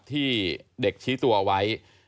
ที่เด็กชี้ตัวเอาไว้